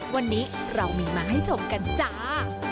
วันนี้เรามีมาให้ชมกันจ้า